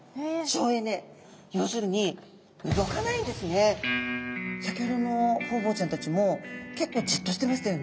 要するに先ほどのホウボウちゃんたちも結構じっとしてましたよね。